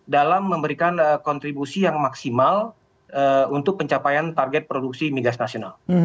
dalam memberikan kontribusi yang maksimal untuk pencapaian target produksi migas nasional